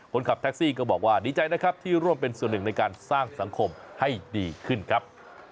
คนขับแท็กซี่ก็บอกว่าดีใจนะครับที่ร่วมเป็นส่วนหนึ่งในการสร้างสังคมให้ดีขึ้นครับ